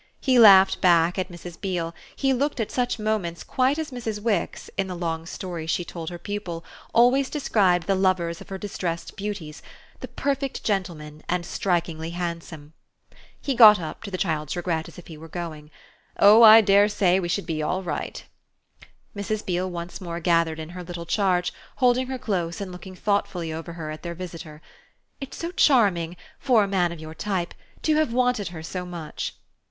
He laughed back at Mrs. Beale; he looked at such moments quite as Mrs. Wix, in the long stories she told her pupil, always described the lovers of her distressed beauties "the perfect gentleman and strikingly handsome." He got up, to the child's regret, as if he were going. "Oh I dare say we should be all right!" Mrs. Beale once more gathered in her little charge, holding her close and looking thoughtfully over her head at their visitor. "It's so charming for a man of your type to have wanted her so much!"